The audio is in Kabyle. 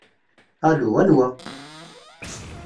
Alu, anwa?